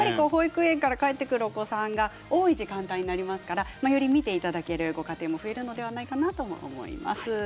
保育園から帰ってくるお子さんが多い時間帯になりますからより見ていただけるご家庭も増えるのではないかなと思います。